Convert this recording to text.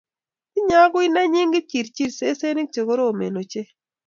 Tinyei agui nenyi kipchirchir sesenik chegoromen ochei